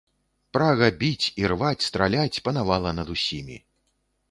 Прага біць, ірваць, страляць панавала над усімі.